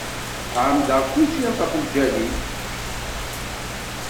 Ԑemmdeɣ kulci ɣef lǧal-ik.